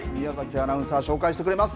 アナウンサー紹介してくれます。